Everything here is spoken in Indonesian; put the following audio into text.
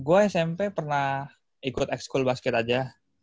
gue smp pernah ikut ex school basket aja